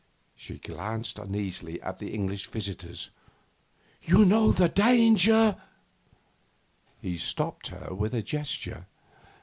She glanced uneasily at the English visitors. 'You know the danger ' He stopped her with a gesture.